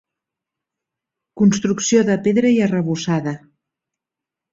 Construcció de pedra i arrebossada.